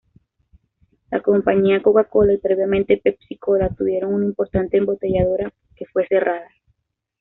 La compañía Coca Cola y previamente PepsiCola tuvieron una importante embotelladora que fue cerrada.